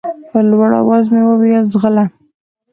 په لوړ اواز مې وويل ځغله.